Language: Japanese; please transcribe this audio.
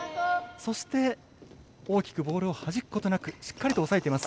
そして、大きくボールをはじくことなくしっかりと押さえています。